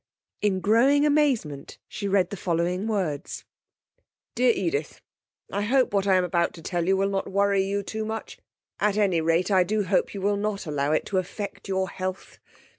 In growing amazement she read the following words: DEAR EDITH, 'I hope what I am about to tell you will not worry you too much. At any rate I do hope you will not allow it to affect your health.